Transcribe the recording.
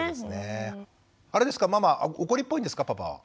あれですかママ怒りっぽいんですかパパは。